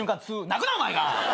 泣くなお前が。